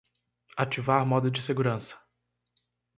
Ativar modo de segurança.